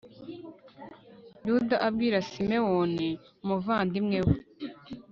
yuda abwira simewoni umuvandimwe we